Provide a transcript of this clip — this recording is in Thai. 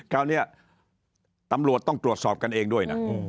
คราวนี้ตำรวจต้องตรวจสอบกันเองด้วยนะ